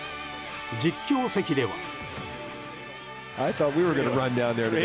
実況席では。